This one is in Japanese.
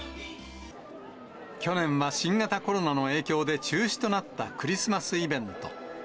去年は新型コロナの影響で中止となったクリスマスイベント。